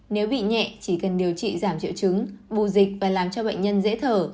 nếu bị nhẹ chỉ cần điều trị giảm triệu chứng buồn dịch và làm cho bệnh nhân dễ thở